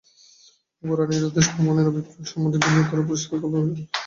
গোরার নিরুদ্দেশ-ভ্রমণের অভিপ্রায় সম্বন্ধে বিনয় কোনো পরিষ্কার খবর বলিতে পারিল না।